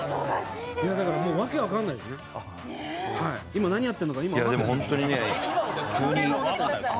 だからもう訳分からないですね、今何やってるか分からないです。